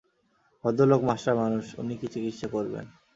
ভদ্রলোক মাস্টার মানুষ, উনি কী চিকিৎসা করবেন?